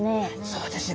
そうですね。